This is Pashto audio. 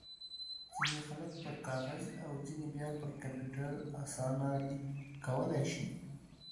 ځينې خلک پر کاغذ او ځينې بيا پر کمپيوټر اسانه ليک کولای شي.